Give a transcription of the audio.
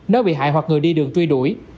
nếu bị hại hoặc người đi đường truy đuổi